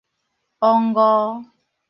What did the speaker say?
王五